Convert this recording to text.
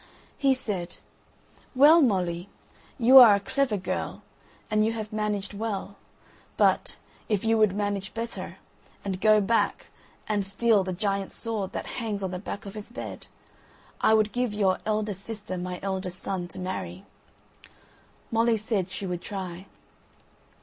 He said: "Well, Molly, you are a clever girl, and you have managed well; but, if you would manage better, and go back, and steal the giant's sword that hangs on the back of his bed, I would give your eldest sister my eldest son to marry." Molly said she would try.